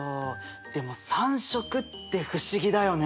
でも３色って不思議だよね。